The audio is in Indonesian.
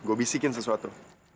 gue bisikin sesuatu